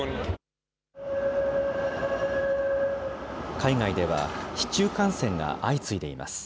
海外では、市中感染が相次いでいます。